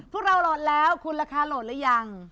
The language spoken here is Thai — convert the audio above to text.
พวกเราโหลดแล้วคุณราคาโหลดหรือยัง